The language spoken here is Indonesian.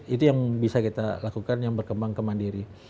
itu yang bisa kita lakukan yang berkembang ke mandiri